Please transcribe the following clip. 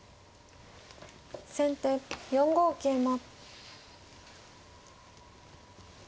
先手４五桂馬。